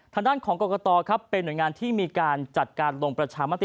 ทางด้านของกรกตครับเป็นหน่วยงานที่มีการจัดการลงประชามติ